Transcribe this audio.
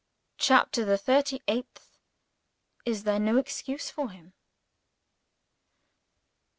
CHAPTER THE THIRTY EIGHTH Is there no Excuse for Him?